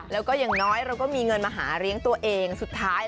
แล้วก็อย่างน้อยเราก็มีเงินมาหาเลี้ยงตัวเองสุดท้าย